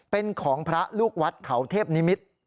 เป็นของพระลูกวัดเขาเทพนิมิตร